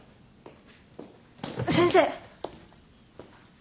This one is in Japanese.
先生！